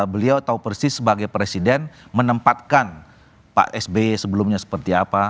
beliau tahu persis sebagai presiden menempatkan pak sby sebelumnya seperti apa